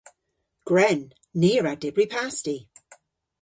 Gwren. Ni a wra dybri pasti.